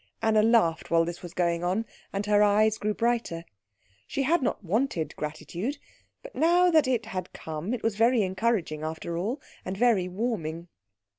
Anna laughed while this was going on, and her eyes grew brighter. She had not wanted gratitude, but now that it had come it was very encouraging after all, and very warming.